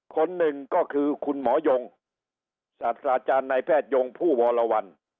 คนหนึ่งก็คือคุณหมอยงศาสตราจารย์นายแพทยงผู้วรวรรณ